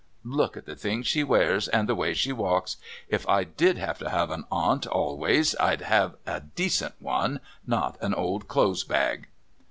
Look at the things she wears and the way she walks. If I did have to have an aunt always I'd have a decent one, not an old clothes bag."